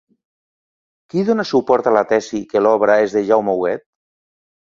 Qui dona suport a la tesi que l'obra és de Jaume Huguet?